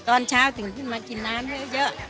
ตอนเช้าถึงขึ้นมากินน้ำเยอะ